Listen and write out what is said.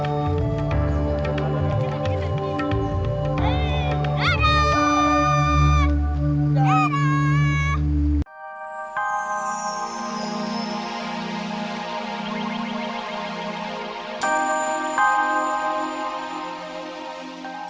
assalamualaikum warahmatullahi wabarakatuh